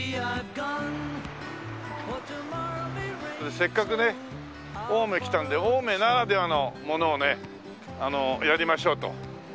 せっかくね青梅来たんで青梅ならではのものをねやりましょうと。